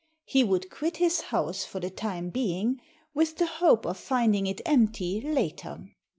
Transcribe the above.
He would quit his house for the time being, with the hope of finding it empty later.